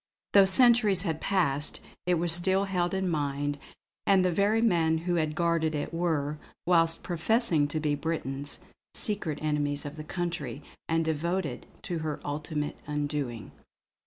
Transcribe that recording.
Though centuries had passed, it was still held in mind; and the very men who had guarded it were, whilst professing to be Britons, secret enemies of the country, and devoted to her ultimate undoing.